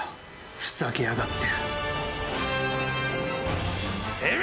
ふざけやがって！